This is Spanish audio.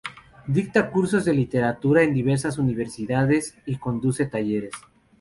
Dicta cursos de literatura en diversas universidades y conduce talleres.